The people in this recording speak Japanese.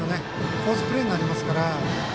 フォースプレーになりますから。